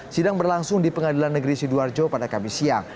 sidang berlangsung di pengadilan negeri sidoarjo pada kamis siang